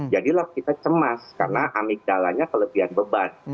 jadilah kita cemas karena amigdalanya kelebihan beban